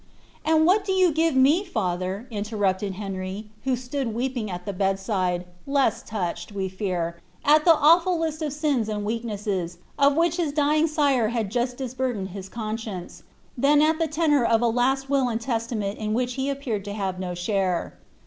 ^' And whut do yon give to mc, father ;" interrupted Henry, u ho «tnod veepins at the bedside, leae louclied, we fear, at the swfiil list of situ and wickednesscEi of which his dying sire hiid just disburUieneil liiH con science, tlian B( the tenour of a last will atiil leelameiit in which he appeared to have no ahare.